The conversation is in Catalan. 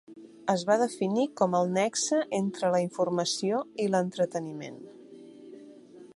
Es va definir com el "nexe entre la informació i l'entreteniment".